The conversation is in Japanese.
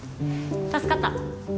助かった。